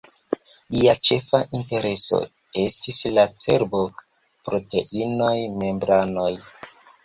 Lia ĉefa intereso estis la cerbo, proteinoj, membranoj.